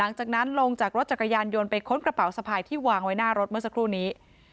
หลังจากนั้นลงจากรถจักรยานยนต์ไปค้นกระเป๋าสะพายที่วางไว้หน้ารถเมื่อสักครู่นี้